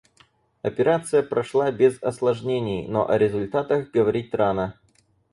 Операция прошла без осложнений, но о результатах говорить рано.